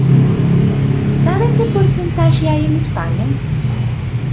¿Sabe que porcentaxe hai en España?